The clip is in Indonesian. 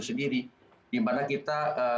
sendiri di mana kita